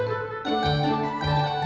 oh seperti itu